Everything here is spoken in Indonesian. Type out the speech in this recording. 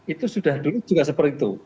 itu sudah dulu juga seperti itu